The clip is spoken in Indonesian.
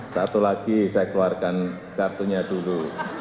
satu lagi saya keluarkan kartunya dulu